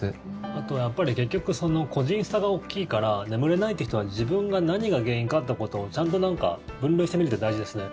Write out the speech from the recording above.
あとはやっぱり結局、個人差が大きいから眠れないという人は自分が何が原因かってことをちゃんと分類してみるって大事ですね。